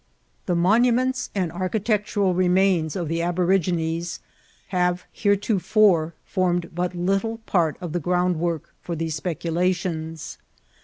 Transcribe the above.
The mcmuments and architectural remains of the aborigines have heretofore formed but little part of the gronndwcnrk for these speculations.